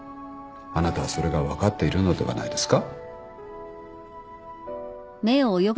あなたはそれが分かっているのではないですか？